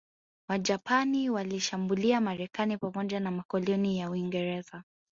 Wajapani waliishambulia Marekani pamoja na makoloni ya Waingereza